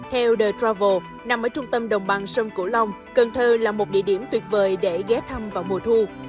theo the travel nằm ở trung tâm đồng bằng sông cửu long cần thơ là một địa điểm tuyệt vời để ghé thăm vào mùa thu